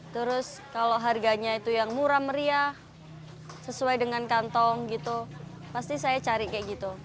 terus kalau harganya itu yang murah meriah sesuai dengan kantong gitu pasti saya cari kayak gitu